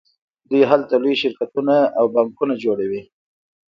دوی هلته لوی شرکتونه او بانکونه جوړوي